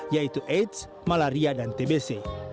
yaitu aids malaria dan tbc